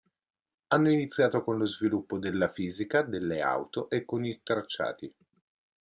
Hanno iniziato con lo sviluppo della fisica delle auto e con i tracciati.